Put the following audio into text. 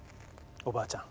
おばあちゃん？